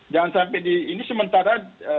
jangan sampai ini sementara